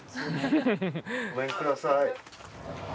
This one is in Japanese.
ごめんください。